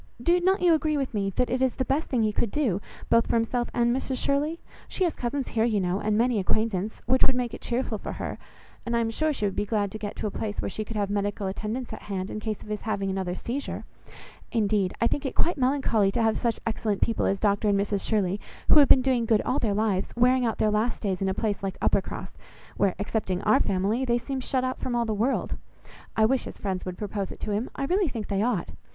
Do not you agree with me, that it is the best thing he could do, both for himself and Mrs Shirley? She has cousins here, you know, and many acquaintance, which would make it cheerful for her, and I am sure she would be glad to get to a place where she could have medical attendance at hand, in case of his having another seizure. Indeed I think it quite melancholy to have such excellent people as Dr and Mrs Shirley, who have been doing good all their lives, wearing out their last days in a place like Uppercross, where, excepting our family, they seem shut out from all the world. I wish his friends would propose it to him. I really think they ought.